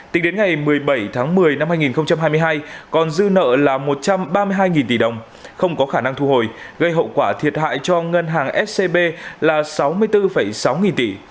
tính đến ngày một mươi bảy tháng một mươi năm hai nghìn hai mươi hai còn dư nợ là một trăm ba mươi hai tỷ đồng không có khả năng thu hồi gây hậu quả thiệt hại cho ngân hàng scb là sáu mươi bốn sáu nghìn tỷ